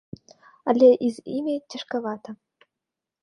Але і з імі цяжкавата.